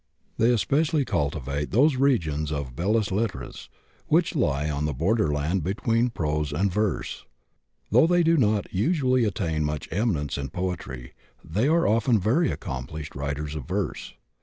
They especially cultivate those regions of belles lettres which lie on the borderland between prose and verse. Though they do not usually attain much eminence in poetry, they are often very accomplished writers of verse.